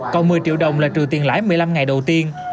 còn một mươi triệu đồng là trừ tiền lãi một mươi năm ngày đầu tiên